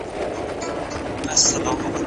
هغه د شفتالو په خوړلو اخته دی.